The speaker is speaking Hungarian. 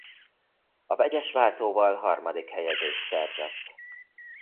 A vegyes váltóval harmadik helyezést szerzett.